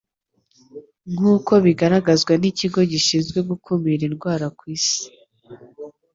Nk'uko bigaragazwa n'ikigo gishinzwe gukumira indwara ku isi